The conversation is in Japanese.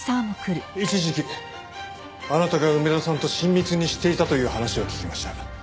一時期あなたが梅田さんと親密にしていたという話を聞きました。